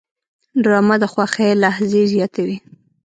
ډرامه د خوښۍ لحظې زیاتوي